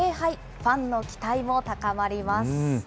ファンの期待も高まります。